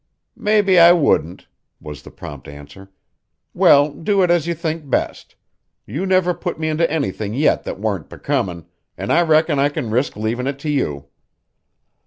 "Mebbe I wouldn't," was the prompt answer. "Well, do it as you think best. You never put me into anything yet that warn't becomin', an' I reckon I can risk leavin' it to you."